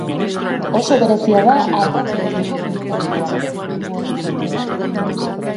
Oso berezia da Artadi auzoko pilotalekua, hiru horma dituelako.